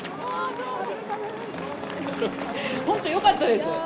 本当、よかったです